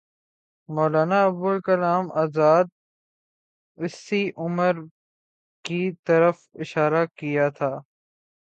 مولانا ابوالکلام آزاد نے اسی امر کی طرف اشارہ کیا تھا۔